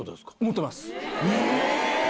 え⁉